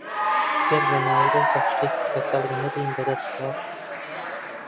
گەر لە ناوەڕۆکدا شتێکی بە کەڵک نەدەین بەدەستەوە